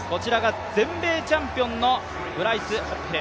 全米チャンピオンのブライス・ホッペル。